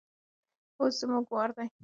اوس زموږ وار دی.